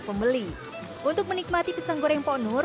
pembeli untuk menikmati pisang goreng ponur